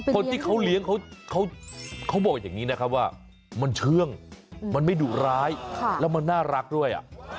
คนที่เขาเลี้ยงเขาบอกอย่างนี้นะครับว่ามันเชื่องมันไม่ดุร้ายแล้วมันน่ารักด้วย